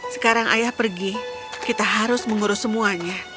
sekarang ayah pergi kita harus mengurus semuanya